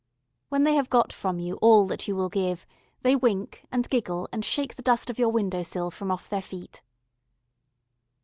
When they have got from you all that you will give, they wink and giggle and shake the dust of your window sill from off their feet.